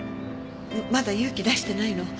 まだ勇気出してないの。